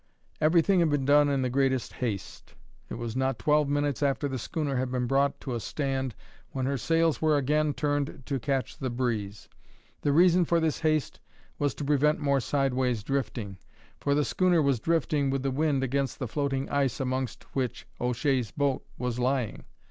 Everything had been done in the greatest haste; it was not twelve minutes after the schooner had been brought to a stand when her sails were again turned to catch the breeze. The reason for this haste was to prevent more sideways drifting, for the schooner was drifting with the wind against the floating ice amongst which O'Shea's boat was lying.